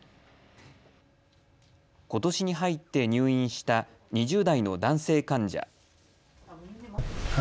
ことしに入って入院した２０代の男性患者。